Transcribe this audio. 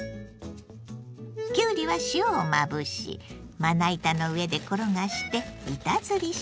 きゅうりは塩をまぶしまな板の上で転がして板ずりします。